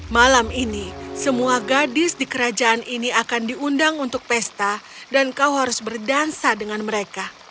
malam ini semua gadis di kerajaan ini akan diundang untuk pesta dan kau harus berdansa dengan mereka